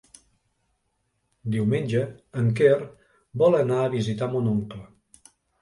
Diumenge en Quer vol anar a visitar mon oncle.